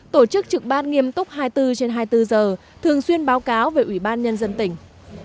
tổ chức trực ban nghiêm túc hai mươi bốn trên hai mươi bốn giờ thường xuyên báo cáo về ủy ban nhân dân tỉnh